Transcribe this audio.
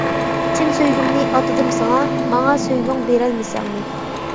چىن سۆيگۈمنى ئاتىدىم ساڭا، ماڭا سۆيگۈڭ بېرەلمىسەڭمۇ.